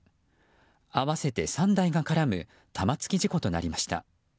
合わせて３台が絡む玉突き事故となりました。